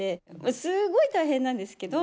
すごい大変なんですけど。